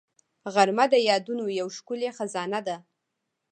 غرمه د یادونو یو ښکلې خزانه ده